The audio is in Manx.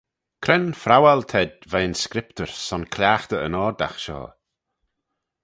Cre'n phrowal t'ayd veih'n scriptyr son cliaghtey yn oardagh shoh?